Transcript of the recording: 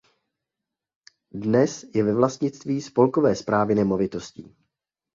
Dnes je ve vlastnictví spolkové správy nemovitostí.